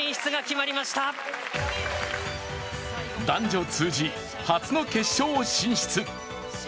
男女通じ初の決勝進出。